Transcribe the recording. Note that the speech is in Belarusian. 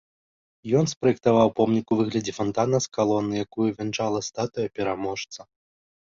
Ён спраектаваў помнік у выглядзе фантана з калонай, якую вянчала статуя пераможца.